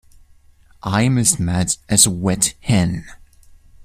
I am as mad as a wet hen.